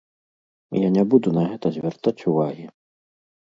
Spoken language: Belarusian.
Я не буду на гэта звяртаць увагі!